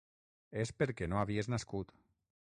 És perquè no havies nascut.